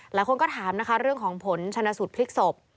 หลายคนก็ถามนะคะเรื่องของผลชนะสูตรพลิกศพ